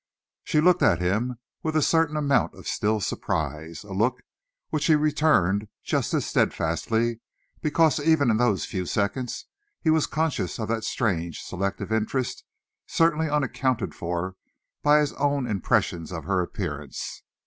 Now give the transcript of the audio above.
She looked at him with a certain amount of still surprise, a look which he returned just as steadfastly, because even in those few seconds he was conscious of that strange selective interest, certainly unaccounted for by his own impressions of her appearance.